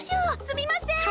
すみません！